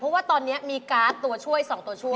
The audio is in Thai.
เพราะว่าตอนนี้มีการ์ดตัวช่วย๒ตัวช่วย